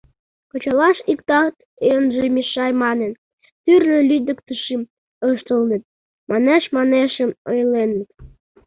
Кычалаш иктат ынже мешай манын, тӱрлӧ лӱдыктышым ыштылыныт, манеш-манешым ойленыт.